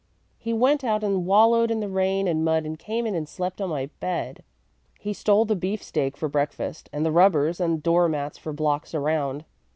He went out and wallowed in the rain and mud and came in and slept on my bed. He stole the beefsteak for breakfast and the rubbers and door mats for blocks around.